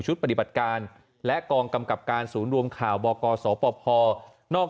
ปฏิบัติการและกองกำกับการศูนย์รวมข่าวบกสปพนอก